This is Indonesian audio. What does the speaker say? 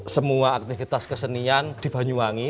semua aktivitas kesenian dibanyuwangi